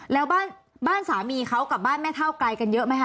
แล้วบ้านสามีเขากับบ้านแม่เท่าไกลกันเยอะไหมค